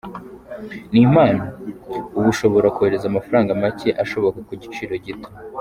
Ni impamo! Ubu ushobora kohereza amafaranga make ashoboka ku giciro gito.